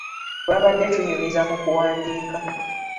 Twabadde tunyumiza mu kuwandiika.